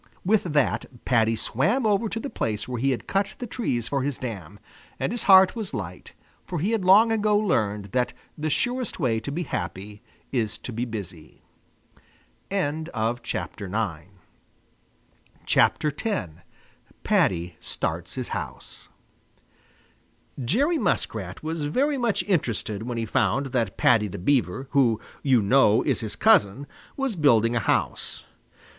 With that Paddy swam over to the place where he had cut the trees for his dam, and his heart was light, for he had long ago learned that the surest way to be happy is to be busy. X PADDY STARTS HIS HOUSE Jerry Muskrat was very much interested when he found that Paddy the Beaver, who, you know, is his cousin, was building a house.